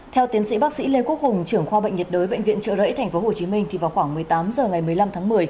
theo tiến sĩ bác sĩ lê quốc hùng trưởng khoa bệnh nhiệt đới bệnh viện trợ rẫy tp hcm thì vào khoảng một mươi tám h ngày một mươi năm tháng một mươi